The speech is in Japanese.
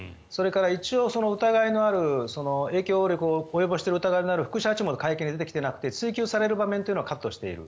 一応、疑いのある影響力を及ぼしている疑いのある副社長も会見に出てきてなくて追及される場面はカットしている。